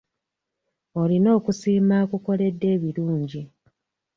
Olina okusiima akukoledde ebirungi.